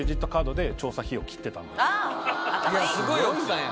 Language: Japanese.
いやすごい奥さんや。